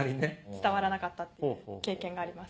伝わらなかったっていう経験があります。